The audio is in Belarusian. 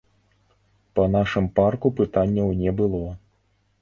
Па нашым парку пытанняў не было.